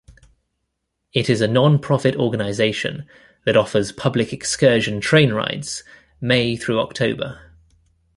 It is a non-profit organization that offers public excursion train rides May through October.